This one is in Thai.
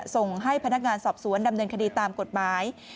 ส่งให้พนักงานสอบสวนดำเนินคดีตามกฎหมาย